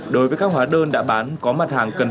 đối với các hóa đơn đã bán có mặt hàng cần phải bán